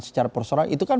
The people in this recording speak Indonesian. secara persorangan itu kan